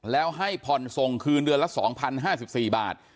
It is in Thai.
แล้วให้ผ่อนส่งคืนเดือนละ๒๐๕๔บาท